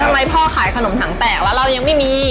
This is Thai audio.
ทำไมพ่อขายขนมถังแตกแล้วเรายังไม่มี